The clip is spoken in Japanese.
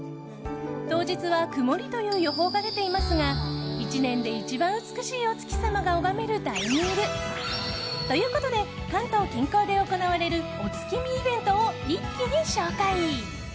当日は曇りという予報が出ていますが１年で一番美しいお月様が拝めるタイミング！ということで関東近郊で行われるお月見イベントを一気に紹介。